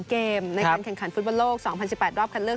เกมในการแข่งขันฟุตบอลโลก๒๐๑๘รอบคัดเลือก